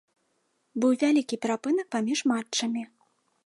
Быў вялікі перапынак паміж матчамі.